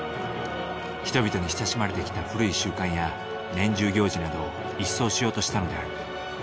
人々に親しまれてきた古い習慣や年中行事などを一掃しようとしたのである。